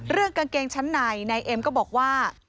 เรื่องกางเกงชั้นในในเอ็มก็บอกว่า